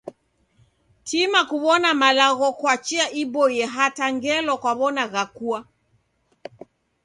Tima kuw'ona malagho kwa chia iboie hata ngelo kwaw'ona ghakua.